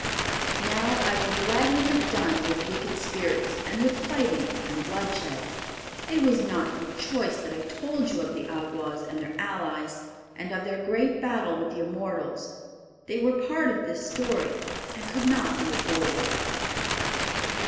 Now I will gladly have done with wicked spirits and with fighting and bloodshed. It was not from choice that I told of the Awgwas and their allies, and of their great battle with the immortals. They were part of this history, and could not be avoided.